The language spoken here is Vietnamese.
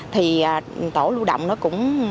thì tổ lưu động nó cũng